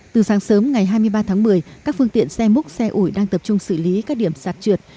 từ sáng sớm ngày hai mươi ba tháng một mươi các phương tiện xe múc xe ủi đang tập trung xử lý các điểm sạt trượt